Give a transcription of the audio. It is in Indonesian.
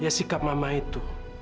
ya sikap mama itu